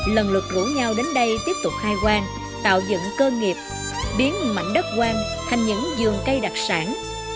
lần lượt rủ nhau đến đây tiếp tục khai quang tạo dựng cơ nghiệp biến mảnh đất quang thành những giường cây đặc sản